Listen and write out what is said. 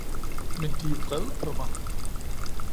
Men De er vred på mig!